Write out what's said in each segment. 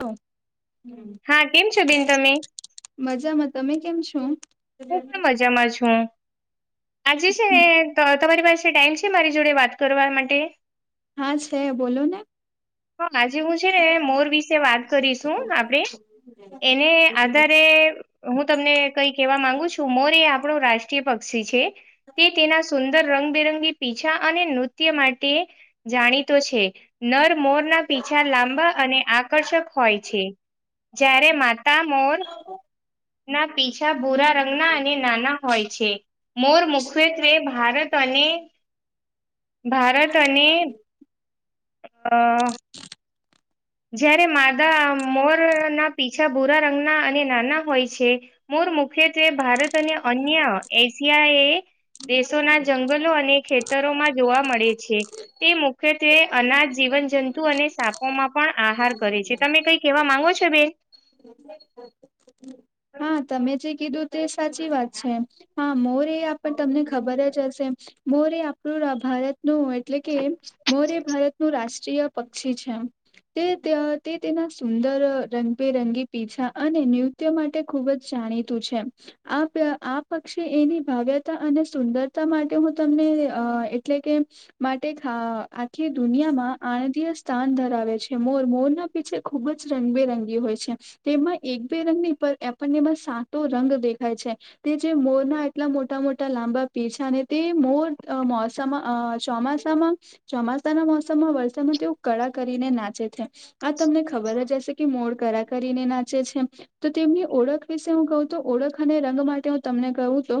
તો હા કેમ છે બેન તમે મજામાં તમે કેમ છો? હું પણ મજામાં છું આજે છે ત તમારી પાસે ટાઈમ છે મારી જોડે વાત કરવા માટે હા છે બોલો ને તો આજે હું છે ને મોર વિશે વાત કરીશું આપણેે એને આધારે હું તમને કઈ કેવા માંગુ છું મોર એ આપણો રાષ્ટ્રીય પક્ષી છે. તે તેના સુંદર રંગબેરંગી પીછા અને નૃત્ય માટે જાણીતો છે નર મોરના પીછા લાંબા અને આકર્ષક હોય છે. જયારે માતા મોર ના પીછા ભૂરા રંગના અને નાના હોય છે. મોર મુખ્યત્વે ભારત અને ભારત અને અ જયારે માદા મો ર ના પીછા ભૂરા રંગના અને નાના હોય છે મોર મુખ્યત્વે ભારત અને અન્ય એશિયાએ દેશોના જંગલો અને ખેતરોમાં જોવા મળે છે. તે મુખ્યત્વે અનાજ જીવન જંતુ અને સાપોમાં પણ આહાર કરે છે તમે કઈ કેવા માંગો છો બેન? હા તમે જે કીધું તે સાચી વાત છે હા મોરે આ પણ તમને ખબર જ હશે મોરે આપણું ભારતનું એટલે કે મોરે ભારત નું રાષ્ટ્રીય પક્ષી છે તે તે તેના સુંદર રંગબેરંગી પીછા અને નૃત્ય માટે ખુબ જ જાણીતું છે. આ આ પક્ષી એની ભાવ્યતા અને સુંદરતા માટે હું તમને એટલે કે માટે થા આખી દુનિયામાં આણંદય સ્થાન ધરાવે છે મોર મોરના પીછે ખુબ જ રંગબેરંગી હોય છે. તેમાં એક બે રંગ ની પર આપણને બ સાતો રંગ દેખાય છે. તે જે મોરના એટલા મોટા મોટા લાંબા પીછા ને તે મોર મો સમ આ ચોમાસામાં ચોમાસાના મોસમમાં વરસાદમાં તેઓ કળા કરીને નાચે છે. આ તમને ખબર જ હશે કે મોડ કરા કરીને નાચે છે. તો તેમની ઓળખ વિશે હું કહું તો ઓળખ અને રંગ માટે હું તમને કહું તો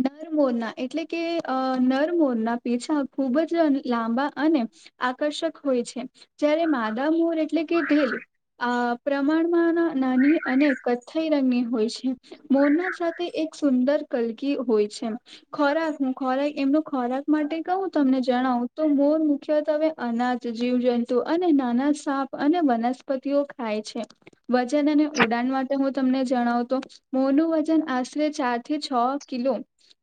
નરમોરના એટલે કે અ નરમોરના પીછા ખૂબ જ લાંબા અને આકર્ષક હોય છે જ્યારે માદા મોર એટલે કે તેલ પ્રમાણમાં નાની અને કથ્થઈ રંગની હોય છે. મોરના સાથે એક સુંદર કલકી હોય છે. ખોરાક હ ખોરાક એમનો ખોરાક માટે કહું તમને જણાવ તો મોર મુખ્યત્વે અનાજ જીવજંતુ અને નાના સાપ અને વનસ્પતિઓ ખાય છે. વજન અને ઉડાન માટે હું તમને જણાવતો. મોનું વજન આશરે ચાર થી છ કિલો.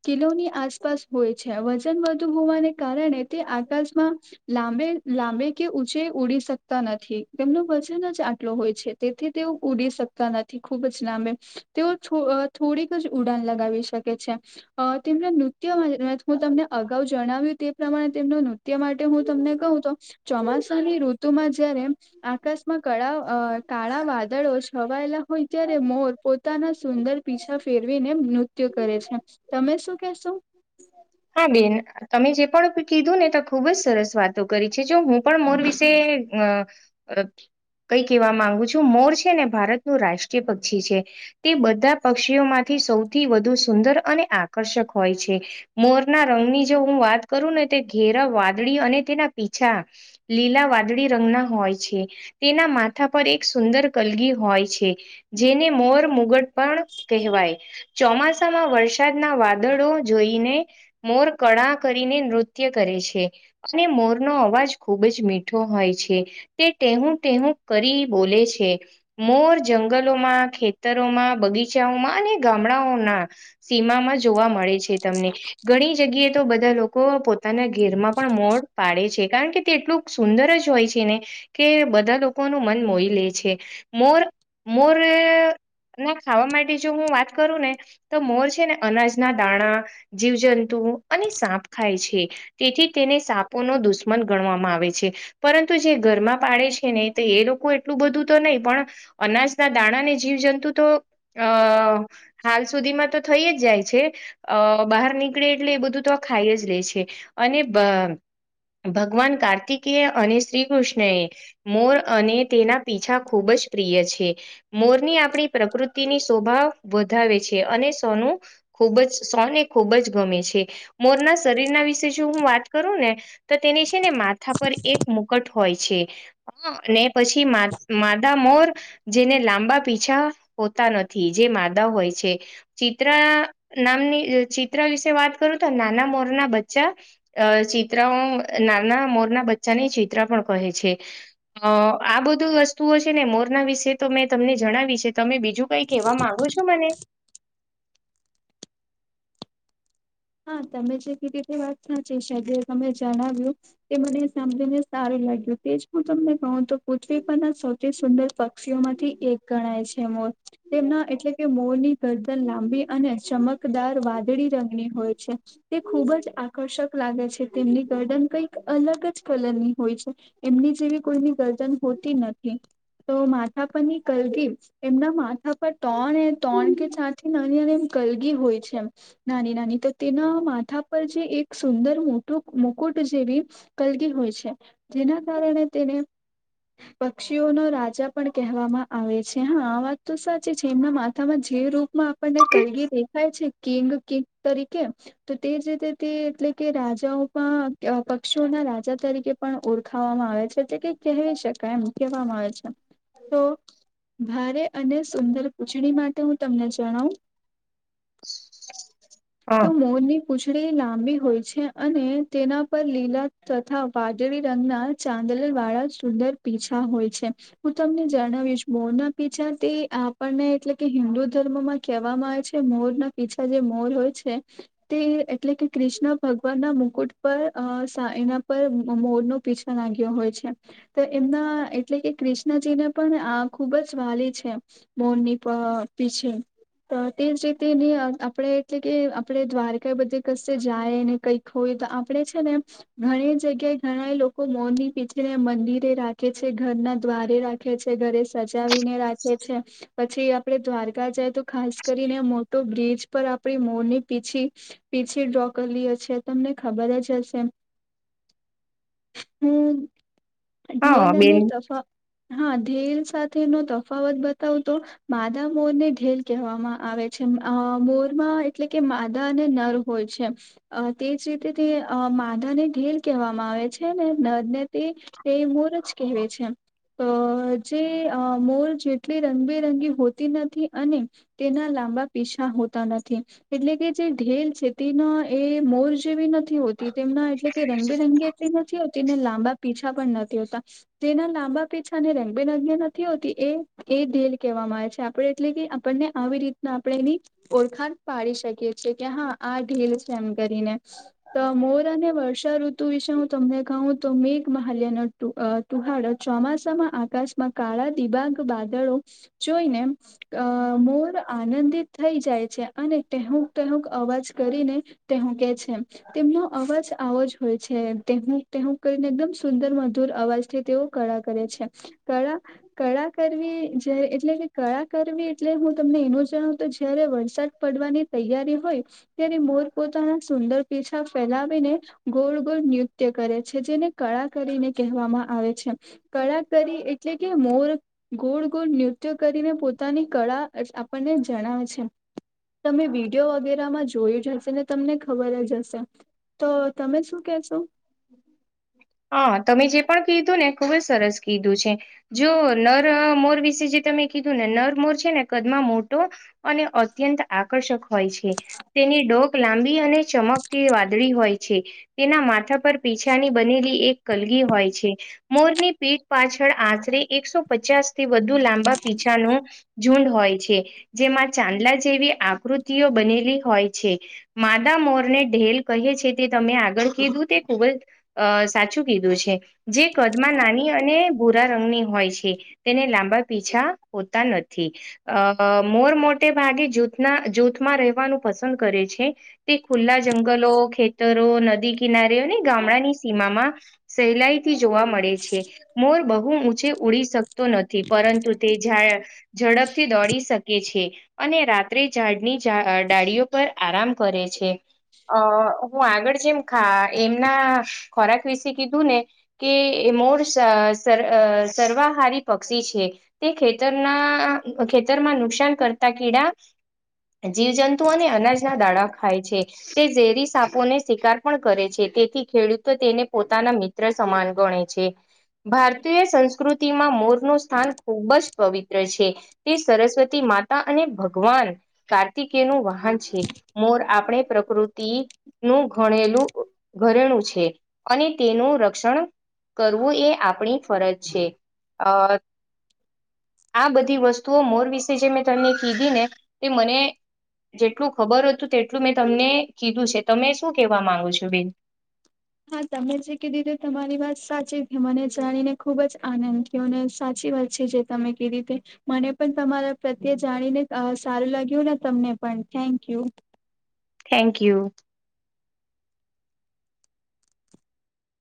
કિલોની આસપાસ હોય છે વજન વધુ હોવાને કારણે તે આકાશમાં. લાંબે લાંબે કે ઊંચે ઉડી શકતા નથી તેમનું વજન જ આટલો હોય છે. તેથી તેઓ ઉડી શકતા નથી. ખૂબ જ લાંબે તેઓ થોડીક જ ઉડાન લગાવી શકે છે. તેમના નૃત્યોમાં હું તમને અગાઉ. જણાવ્યું તે પ્રમાણે તેમનો નૃત્ય માટે હું તમને કહું તો. ચોમાસાની ઋતુમાં જયારે આકાશ. કળ અ કાળા વાદળો છવાયેલા હોય ત્યારે મોર પોતાના. સુંદર પીછા ફેરવીને નૃત્ય કરે છે તમે શું કેશો. હા બેન તમે જે પણ કીધું ને તો ખુબ જ સરસ વાતો કરી છે જો હું. પણ મોર વિશે અ. કઈ કહેવા માંગુ છું મોર છે ને ભારતનું રાષ્ટ્રીય પક્ષી છે. તે બધા પક્ષીઓમાંથી સૌથી વધુ સુંદર અને આકર્ષક હોય છે. મોરના રંગની જો હું વાત કરું ને તે ઘેરા વાદળી અને તેના પીછા. લીલા વાદળી રંગના હોય છે. તેના માથા પર એક સુંદર કલગી હોય છે. જેને મોર મુગટ પણ કહેવાય. ચોમાસામાં વરસાદના વાદળો જોઈને. મોર કળા કરીને નૃત્ય કરે છે. અને મોર નો અવાજ ખુબ જ મીઠો હોય છે. તે ટેહૂ ટેહું કરી બોલે છે. મોર જંગલોમાં ખેતરોમાં બગીચાઓમાં અને ગામડાઓના. સીમામાં જોવા મળે છે તમને ઘણી જગ્યા. એ તો બધા લોકો પોતાના ઘેરમાં પણ મોડ પાડે છે કારણ કે. તે એટલું સુંદર જ હોય છે ને. કે બધા લોકોનું મન મોઈ લે છે મોર મોર. ના ખાવા માટે જો હું વાત કરું ને તો મોર છે ને અનાજના દાણા. જીવજંતુ અને સાપ ખાય છે. તેથી તેને સાપોનો દુશ્મન ગણવામાં આવે છે. પરંતુ જે ઘરમાં પાળે છે ને તો એ લોકો એટલું બધું તો નહીં પણ. અનાજના દાણા ને જીવજંતુ તો અ. હાલ સુધીમાં તો થઈ જ જાય છે અ બહાર. નીકળે એટલે એ બધું તો આ ખાઈ જ લે છે અને બ. ભગવાન કાર્તિકેય અને શ્રીકૃષ્ણ એ. મોર અને તેના પીછા ખૂબ જ પ્રિય છે. મોરની આપણી પ્રકૃતિની શોભા વધાવે છે અને સોનું. ખૂબ જ સોને ખૂબ જ ગમે છે મોરના શરીરના વિશે જો હું વાત કરું ને. તો તેને છે ને માથા પર એક મુકટ હોય છે. હ ને પછી મા માદા મોર. જેને લાંબા પીછા હોતા નથી જે માદા હોય છે. ચિત્રા નામની ચિત્રા વિશે વાત કરું તો નાના મોરના બચ્ચા. અ ચિત્રાઓ નાના મોરના બચ્ચાને ચિત્ર પણ કહે છે. અ આ બધું વસ્તુઓ છે ને મોરના વિશે તો મેં તમને જણાવી છે. તમે બીજું કઈ કહેવા માંગો છો મને. હા તમે જે કીધી તે વાત સાચી છે જે તમે જણાવ્યું. તે મને સમજીને સારું લાગ્યું તેજ હું તમને કહું તો. પૃથ્વી પરના સૌથી સુંદર પક્ષીઓ માંથી એક ગણાય છે મોર. તેમના એટલે કે મોરની ગરદન લાંબી અને ચમકદાર વાદળી રંગની હોય. છે. તે ખૂબ જ આકર્ષક લાગે છે તેમની ગર્દન કઈક અલગ જ કલરની હોય છે. એમની જેવી કોઈની ગર્દન હોતી નથી તો માથા પરની કલગી એમના માથા પર ત્રણ એ ત્રણ કે ચાથી નાની અને એમ કલગી હોય છે એમ. નાની નાની તો તેના માથા પર જે એક સુંદર મોટુંક મુકુટ જેવી કલગી હોય છે. જેના કારણે તેને પક્ષીઓનો રાજા પણ કહેવામાં આવે છે હા આ વાત તો સાચી છે એમના મા થા માં જે રૂપમાં આપણને કલગી દેખાય છે કિંગ કિંગ તરીકે તો તેજ રીતે તે એટલે કે રાજાઓ પણ આ પક્ષીઓના રાજ રાજા તરીકે પણ ઓળખાવામાં આવે છે તે કે કહેવી શકાય એમ કહેવામાં આવે છે. તો ભારે અને સુંદર પૂછડી માટે હું તમને જણાવુ હ મોર ની પૂછડી લાંબી હોય છે અને તેના પર લીલા તથા વાદળી રંગના ચાંદલ વાળા સુંદર પીછા હોય છે. હું તમને જણાવીશ મો ના પીછા તે આપણને એટલે કે હિન્દુ ધર્મમાં કહેવામાં આવે છે મોર ના પીછા જે મોર હોય છે. તે એટલે કે કૃષ્ણ ભગવાન ના મુકુટ પર આ સા એના ઉપ માં મોર નો પીછા નાગ્યો હોય છે. તો એમના એટલે કે કૃષ્ણજીને પણ આ ખુબ જ વાલી છે. મોન ની પા પીછે તો તેજ રીતે આપણે એટલે કે આપણે દ્વારકા એ બધે કસે જાય ને કઈક હોય તો આપણે છે ને ઘણી જગ્યાએ ઘણા એ લોકો મોની પીંછ જેને મંદિરે રાખે છે ઘરના દ્વારે રાખે છે ઘરે સજાવીને રાખે છે. પછી આપડે દ્વારકા જાય તો ખાસ કરીને મોટો બ્રિજ પર આપણી મોરની પીછી પીછી ડ્રો કરીલી હશે તમને ખબર જ હશે. હું [inaudible] ઢેલ હા બેન અને તાફ હા ઢેલ સાથે નો તફાવત બતાવુ તો માદા મોર ને ઢેલ કહેવામાં આવે છે આ મોરમાં એટલે કે માદા અને નર હોય છે. અ તેજ રીતે તે અ મદ ને ઢીલ કહેવામાં આવે છે ને નર ને તે તે મોરજ કહેવે છે. તો જે આ મોર જેટલી રંગબેરંગી હોતી નથી અને તેના લાંબા પીંછા હોતા નથી. એટલે કે જે ઢેલ છે તેના એ મોર જેવી નથી હોતી તેમના એટલે કે રંગબેરંગે નથી હોતી ને લાંબા પીછા પણ નથી હોતા. જેના લાંબા પેછાને રંગબેરંગને નથી હોતી એ એ ઢેલ કહેવામાં આવે છે આપણેે એટલે કે આપણને આવી રીતના આપણે એની ઓળખાણ પાડી શકીએ છીએ કે હા આ ઢીલ છે એમ કરીને. તો મોર અને વર્ષાઋતુ વિશે હું તમને કહું તો મેઘ મહહલ્ય નો તું તુહાડ ચોમાસામાં આકાશમાં કાળા દિબાગ વાદળો જોઈને અ મોર આનંદિત થઈ જાય છે. અને તેુક તેહુક અવાજ કરીને તેહું કે છે. તેમનો અવાજ આવો જ હોય છે ટેહુક ટેહુક કરીને એકદમ સુંદર મધુર અવાજ છે તેઓ કળા કરે છે કળા કળા કરવી જ્યારે એટલે કે કળા કરવી એટલે હું તમને એનો જણાવ તો જયારે વરસાદ પડવાની તૈયારી હોય. ત્યારે મોર પોતાના સુંદર પીછા ફેલાવીને ગોલ ગોલ [unintelligible] નિત્ય કરે છે જેને કળા કરીને કહેવામાં આવે છે કળા કરી એટલે કે મોર ગોળ ગોળ નૃત્ય કરીને પોતાની કળા આપણને જણાવે છે. તમે વિડીયો વગેરેમાં જોયું જ હશે ને તમને ખબર જ હશે. તો તમે શું કેશો? હા તમે જે પણ કીધું ને ખુબ જ સરસ કીધું છે. જો નર મોર વિશે જે તમે કીધું ને નર મોર છે ને કદમાં મોટો અને અત્યંત આકર્ષક હોય છે. તેની ડોક લાંબી અને ચમકથી વાદળી હોય છે તેના માથા પર પીછાની બનેલી એક કલગી હોય છે. મોરની પીઠ પાછળ આશરે એકસો પચાસ થી વધુ લાંબા પીછા નો ઝુંડ હોય છે. જેમાં ચાંદલા જેવી આકૃતિઓ બનેલી હોય છે. માદા મોરને ઢેલ કહે છે તે તમે આગળ કીધું તે ખુબ જ અ સાચું કીધું છે. જે કદમાં નાની અને ભૂરા રંગની હોય છે. તેને લાંબા પીછા હોતા નથી. અ મોર મોટે ભાગે જૂથના જૂથમાં રહેવાનું પસંદ કરે છે. તે ખુલ્લા જંગલો, ખેતરો, નદી કિનારી અને ગામડાની સીમામાં સહેલાઈ થી જોવા મળે છે મોર બહુ ઊંચે ઉડી શકતો નથી પરંતુ તે જ ઝડપથી દોડી શકે છે. અને રાત્રે ઝાડની ડાળીઓ પર આરામ કરે છે. અ હું આગળ જેમ ખા એમના ખોરાક વિશે કીધું ને કે મોર સ સ સર્વાહારી પક્ષી છે. તે ખેતરના ખેતરમાં નુકસાન કરતા કીડા જીવજંતુ અને અનાજના દાણા ખાય છે તે ઝેરી સાપોને શિકાર પણ કરે છે. તેથી ખેડૂતો તેને પોતાના મિત્ર સમાન ગણે છે. ભારતીય સંસ્કૃતિમાં મોર નું સ્થાન ખૂબ જ પવિત્ર છે તે સરસ્વતી માતા અને ભગવાન કાર્તિકે નું વાહન છે. મોર આપણે પ્રકૃતિ નું ગણેલું ઘરેણું છે અને તેનું રક્ષણ કરવું એ આપણી ફરજ છે અ આ બધી વસ્તુઓ મોર વિશે જે મેં તમને કીધી ને તે મને જેટલું ખબર હતું તેટલું મેં તમને કીધું છે. તમે શું કેવા માંગુ છો બેન? હા તમે જે કીધી તે તમારી વાત સાચી મને જાણીને ખુબ જ આનંદ થયો અને સાચી વાત છે જે તમે કીધી તે. મને પણ તમારા પ્રત્યે જાણીને સારું લાગ્યું ને તમને પણ થેન્કયુ. Thank you.